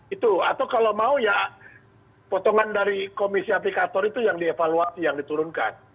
itu atau kalau mau ya potongan dari komisi aplikator itu yang dievaluasi yang diturunkan